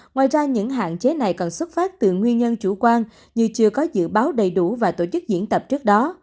ngoài ra những hạn chế này còn xuất phát từ nguyên nhân chủ quan như chưa có dự báo đầy đủ và tổ chức diễn tập trước đó